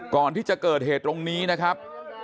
ก่อนที่จะเกิดเหตุตรงนี้นะครับ